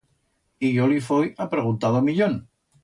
Y yo li foi a pregunta d'o millón.